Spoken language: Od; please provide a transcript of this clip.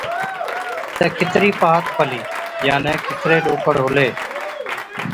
تہ ڪِترِي پَھات پلِي، يعني ڪِتري ڏوڪڙ ھُلي